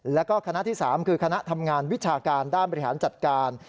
แล้วก็คณะที่๓คือคณะทำงานวิชาการด้านบริหารจัดการ